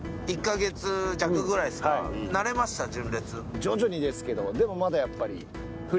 徐々にですけどでもまだやっぱり。